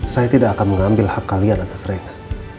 saya tidak akan mengambil hak kalian atas mereka